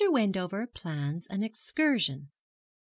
WENDOVER PLANS AN EXCURSION.